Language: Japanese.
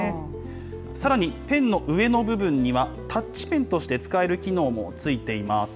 さらに、ペンの上の部分には、タッチペンとして使える機能もついています。